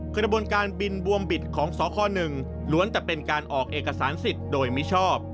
กระบวนการบินบวมบิดของสค๑ล้วนแต่เป็นการออกเอกสารสิทธิ์โดยมิชอบ